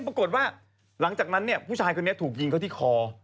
ปรากฏว่าหลังจากนั้นเนี่ยผู้ชายคนนี้ถูกยิงเขาที่คอ